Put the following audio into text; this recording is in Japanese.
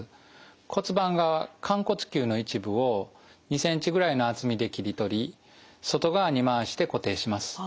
骨盤側寛骨臼の一部を２センチぐらいの厚みで切り取り外側に回して固定します。